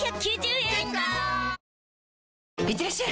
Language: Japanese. ⁉いってらっしゃい！